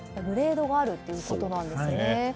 グレードがあるということなんですね。